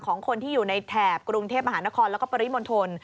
ของคนที่อยู่ในแถบกรุงเทพฯอาหารนครและก็ปริมนต์ธน